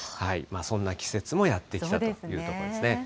そんな季節もやって来たというところですね。